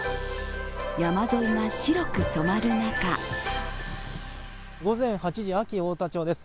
山沿いが白く染まる中午前８時、安芸太田町です。